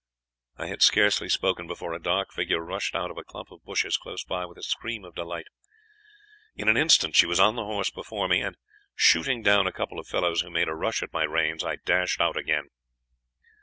"I had scarcely spoken before a dark figure rushed out of a clump of bushes close by with a scream of delight. "In an instant she was on the horse before me, and, shooting down a couple of fellows who made a rush at my reins, I dashed out again.